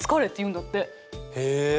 へえ。